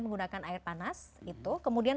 menggunakan air panas kemudian